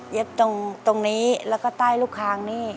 เย็บตรงนี้แล้วก็ใต้รูปคางนี้